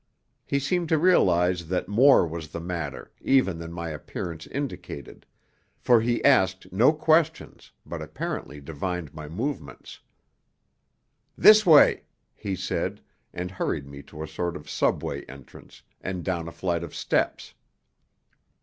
He seemed to realize that more was the matter even than my appearance indicated, for he asked no questions, but apparently divined my movements. "This way!" he said, and hurried me to a sort of subway entrance, and down a flight of steps.